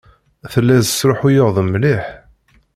Telliḍ tesṛuḥuyeḍ lmil.